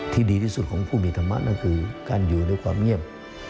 ดีที่สุดของผู้มีธรรมะนั่นคือการอยู่ด้วยความเงียบ